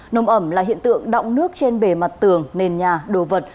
nồm ẩm là hiện tượng đọng nước trên bề mặt tường nền nhà đồ vật